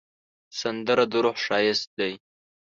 سندره د روح ښایست دی